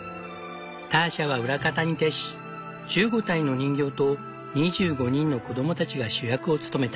ターシャは裏方に徹し１５体の人形と２５人の子供たちが主役を務めた。